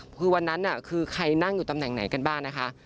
คือวันนั้นคือใครนั่งอยู่ตำแหน่งไหนกันบ้างนะคะ